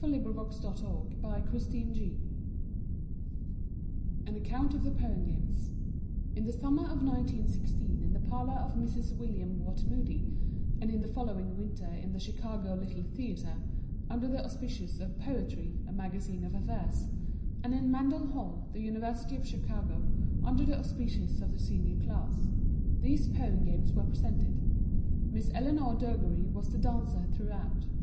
Fifth Section The Poem Games An Account of the Poem Games In the summer of 1916 in the parlor of Mrs. William Vaughn Moody; and in the following winter in the Chicago Little Theatre, under the auspices of Poetry, A Magazine of Verse; and in Mandel Hall, the University of Chicago, under the auspices of the Senior Class, these Poem Games were presented. Miss Eleanor Dougherty was the dancer throughout.